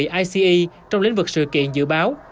đơn vị ice trong lĩnh vực sự kiện dự báo